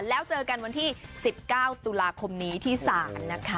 แล้วเจอกันวันที่๑๙ตุลาคมนี้ที่ศาลนะคะ